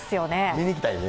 見に行きたいね。